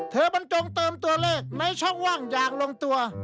บรรจงเติมตัวเลขในช่องว่างอย่างลงตัว